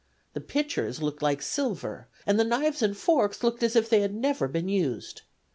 The pitchers looked like silver and the knives and forks looked as if they had never been used.